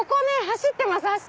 走ってます。